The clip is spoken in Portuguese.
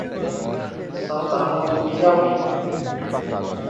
Santana do Piauí